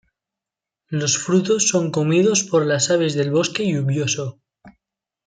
Los frutos son comidos por las aves del bosque lluvioso.